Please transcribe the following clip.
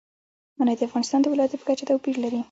منی د افغانستان د ولایاتو په کچه توپیر لري.